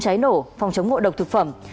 cháy nổ phòng chống ngộ độc thực phẩm